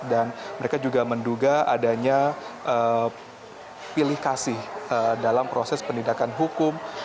dan mereka juga menduga adanya pilih kasih dalam proses pendidikan hukum